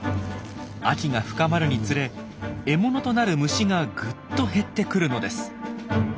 秋が深まるにつれ獲物となる虫がぐっと減ってくるのです。